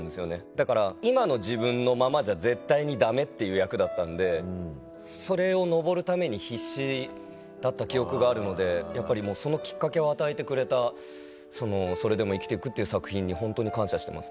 だから今の自分のままじゃ絶対にダメっていう役だったんでそれを上るために必死だった記憶があるのでやっぱりもうそのきっかけを与えてくれたその『それでも、生きてゆく』っていう作品にホントに感謝してます。